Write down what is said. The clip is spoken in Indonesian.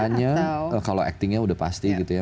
hanya kalau actingnya udah pasti gitu ya